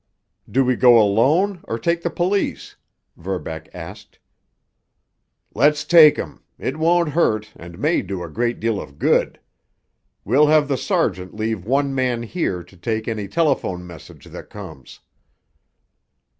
"Do we go alone, or take the police?" Verbeck asked. "Let's take 'em. It won't hurt, and may do a great deal of good. We'll have the sergeant leave one man here to take any telephone message that comes."